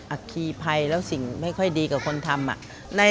อะครีไพรและสิ่งไม่ค่อยดีกับคนทำ